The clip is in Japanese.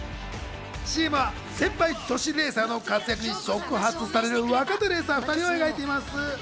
ＣＭは、先輩女子レーサーの活躍に触発される若手レーサー２人を描いています。